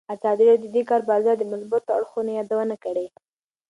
ازادي راډیو د د کار بازار د مثبتو اړخونو یادونه کړې.